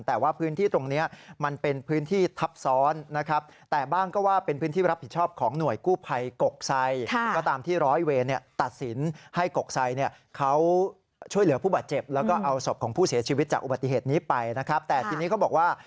แต่ว่าพื้นที่ตรงนี้มันเป็นพื้นที่ทับซ้อนนะครับ